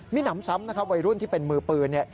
มินัมซัมวัยรุ่นที่เป็นมือปืน